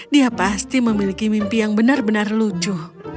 dia pasti memiliki mimpi yang benar benar lucu